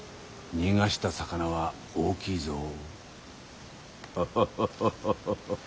逃がした魚は大きいぞ。